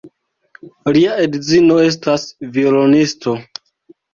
Lia edzino estas violonisto.